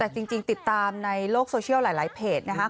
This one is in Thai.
แต่จริงติดตามในโลกโซเชียลหลายเพจนะครับ